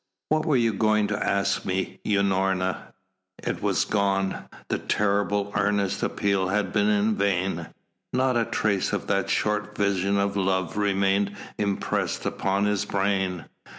"What were you going to ask me, Unorna?" It was gone. The terribly earnest appeal had been in vain. Not a trace of that short vision of love remained impressed upon his brain.